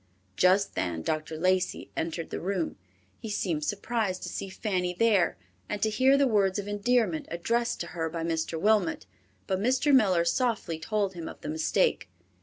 Just then Dr. Lacey entered the room. He seemed surprised to see Fanny there, and to hear the words of endearment addressed to her by Mr. Wilmot, but Mr. Miller softly told him of the mistake.